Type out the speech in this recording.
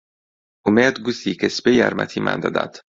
ئومێد گوتی کە سبەی یارمەتیمان دەدات.